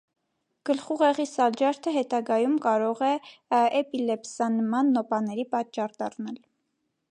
Գլխուղեղի սալջարդը հետագայում կարող է էպիլեպսանման նոպաների պատճառ դառնալ։